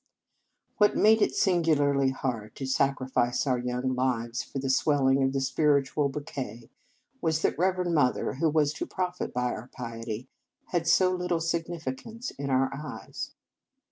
What made it singularly hard to sacrifice our young lives for the swell ing of a spiritual bouquet was that Reverend Mother, who was to profit by our piety, had so little significance in our eyes.